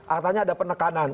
artanya ada penekanan